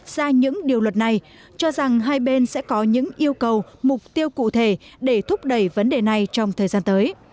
ra những điều luật này cho rằng hai bên sẽ có những yêu cầu mục tiêu cụ thể để thúc đẩy vấn đề này trong thời gian tới